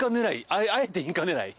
あえてインカ狙い？